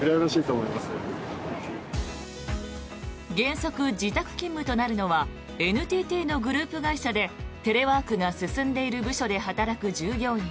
原則自宅勤務となるのはＮＴＴのグループ会社でテレワークが進んでいる部署で働く従業員